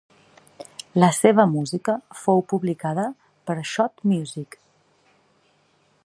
La seva música fou publicada per Schott Music.